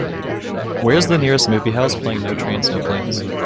where's the nearest movie house playing No Trains No Planes